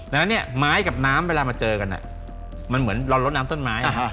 ดังนั้นเนี่ยไม้กับน้ำเวลามาเจอกันมันเหมือนเราลดน้ำต้นไม้